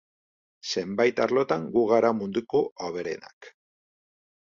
Zenbait arlotan gu gara munduko hoberenak.